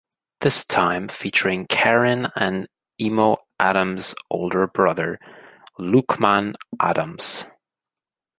This time featuring Karin and Emo Adams older brother Loukmaan Adams.